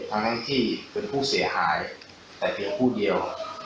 ทั้งที่เป็นผู้เสียหายแต่เพียงผู้เดียว